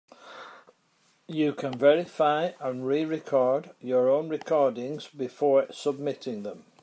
You can verify and re-record your own recordings before submitting them.